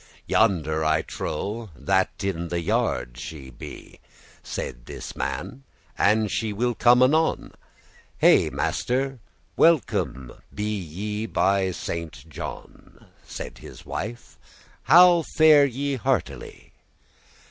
"Yonder I trow that in the yard she be," Saide this man; "and she will come anon." "Hey master, welcome be ye by Saint John," Saide this wife; "how fare ye heartily?"